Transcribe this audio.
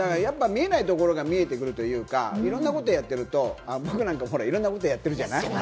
見えないところが見えてくるというか、いろんなことやってると、ほら僕もいろんなことやってるじゃない？